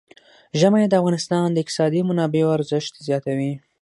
ژمی د افغانستان د اقتصادي منابعو ارزښت زیاتوي.